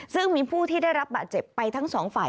ซึ่งมีผู้ที่ได้รับบาดเจ็บไปทั้งสองฝ่าย